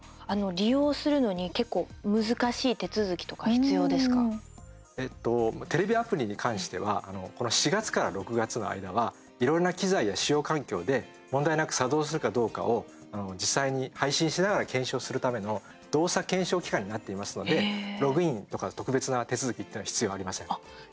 利用するのに結構テレビアプリに関してはこの４月から６月の間はいろいろな機材や使用環境で問題なく作動するかどうかを実際に配信しながら検証するための動作検証期間になっていますのでログインとか特別な手続きっていうのは必要ありません。